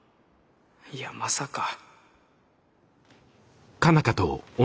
いやまさか。